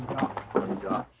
こんにちは。